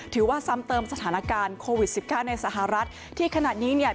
ถือว่าซ้ำเติมสถานการณ์โควิด๑๙ในสหรัฐที่ขนาดนี้เนี่ย